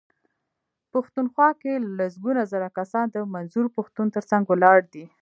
پښتونخوا کې لسګونه زره کسان د منظور پښتون ترڅنګ ولاړ دي.